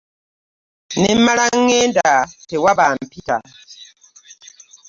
Ne mmala ŋŋenda tewaba ampita.